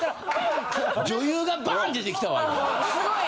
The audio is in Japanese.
女優がバーン出てきたわ今。